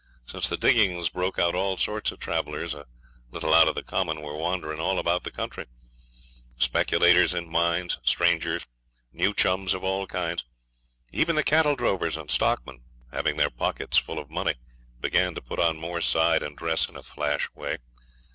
Since the diggings broke out all sorts of travellers a little out of the common were wandering all about the country speculators in mines, strangers, new chums of all kinds; even the cattle drovers and stockmen, having their pockets full of money, began to put on more side and dress in a flash way.